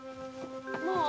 もう？